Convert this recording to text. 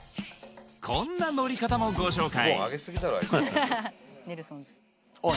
こんな乗り方もご紹介